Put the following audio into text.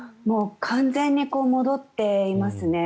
完全に戻っていますね。